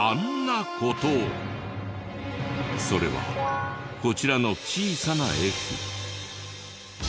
それはこちらの小さな駅。